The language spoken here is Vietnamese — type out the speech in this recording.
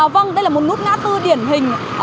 vâng đây là một ngã tư điển hình